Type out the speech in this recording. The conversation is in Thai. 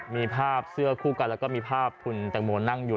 มีภาพเสื้อคู่กันแล้วก็มีภาพคุณแตงโมนั่งอยู่